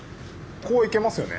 こう行けますよね？